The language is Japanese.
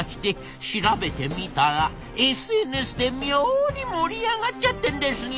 調べてみたらＳＮＳで妙に盛り上がっちゃってんですよ」。